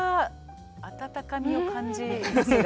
温かみを感じますが。